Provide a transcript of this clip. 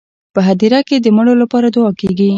په هدیره کې د مړو لپاره دعا کیږي.